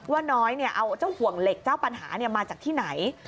ว่าน้อยเอาเจ้าห่วงเหล็กเจ้าปัญหามาจากที่ไหน